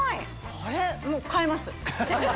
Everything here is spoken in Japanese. これもう買います。